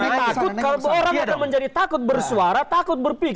orang akan menjadi takut bersuara takut berpikir